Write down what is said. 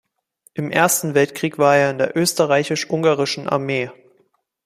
Im Ersten Weltkrieg war er in der Österreichisch-Ungarischen Armee.